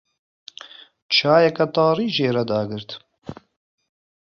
Çayeke tarî jê re dagirt.